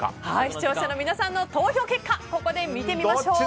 視聴者の皆さんの投票結果を見てみましょう。